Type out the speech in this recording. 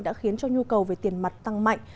đã khiến cho nhu cầu về tiền mặt tăng mạnh